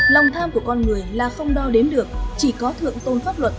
lòng tham của con người là không đo đếm được chỉ có thượng tôn pháp luật